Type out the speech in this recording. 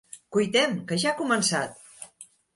Cuitem, que ja ha començat!